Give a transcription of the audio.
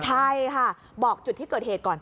ใช่ค่ะบอกจุดที่เกิดเหตุก่อน